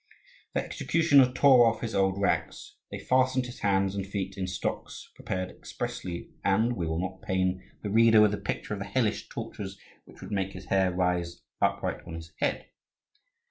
The executioner tore off his old rags; they fastened his hands and feet in stocks prepared expressly, and We will not pain the reader with a picture of the hellish tortures which would make his hair rise upright on his head.